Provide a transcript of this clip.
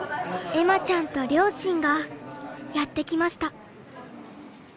恵麻ちゃんと両親がやって来ました。